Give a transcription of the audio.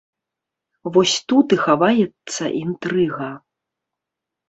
Вось тут і хаваецца інтрыга.